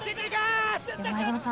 前園さん